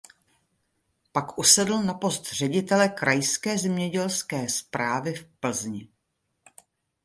Pak usedl na post ředitele "Krajské zemědělské správy v Plzni".